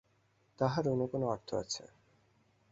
তাহার অন্য কোনো অর্থ আছে।